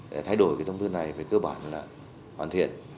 để thay đổi cái thông tư này về cơ bản là hoàn thiện